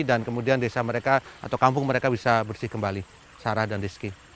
dan kemudian desa mereka atau kampung mereka bisa bersih kembali secara dan reski